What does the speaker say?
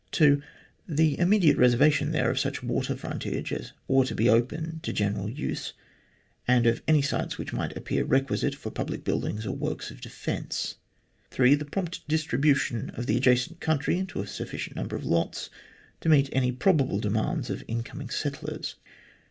(2) The immediate reservation there of such water frontage as ought to be open to general use, and of any sites which might appear requisite for public buildings or works of defence. (3) The prompt distribution of the adjacent country into a sufficient number of lots to meet any probable demands of incoming settlers.